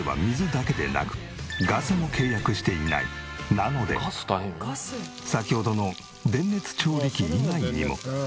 なので先ほどの電熱調理器以外にも。